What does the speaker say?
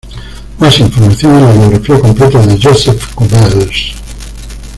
Más información en la biografía completa de Josep Cubells